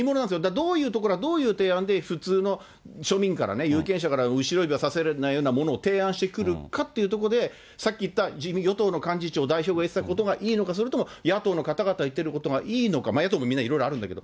どういうところが、どういう提案で普通の庶民から、有権者から後ろ指さされないようなものを提案してくるかっていうところで、さっき言った与党の幹事長、代表が言ってたことがいいのか、それとも野党の方々が言ってることがいいのか、野党もいろいろあるんだけど。